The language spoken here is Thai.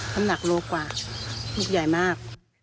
น้ำหนักโลกว่าลูกใหญ่มาก